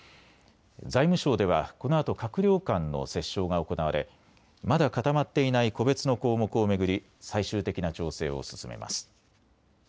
財務省ではこのあと閣僚間の折衝が行われまだ固まっていない個別の項目を巡り最終的な調整を進めます。